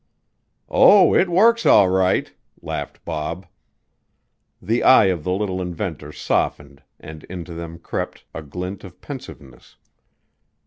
"Oh, it works all right!" laughed Bob. The eyes of the little inventor softened and into them crept a glint of pensiveness.